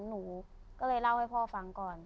หนูก็เลยเล่าให้พ่อฟังก่อน